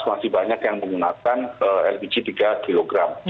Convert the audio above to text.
masih banyak yang menggunakan lpg tiga kg